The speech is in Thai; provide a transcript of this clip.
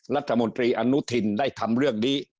รัฐมนตรีอนุทินได้ทำเรื่องนี้